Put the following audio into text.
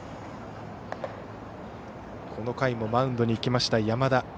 この回もマウンドに行きました山田。